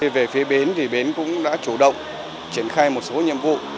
về phía bến thì bến cũng đã chủ động triển khai một số nhiệm vụ